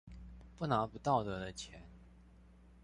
不拿不道德的錢